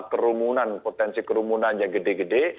kerumunan potensi kerumunan yang gede gede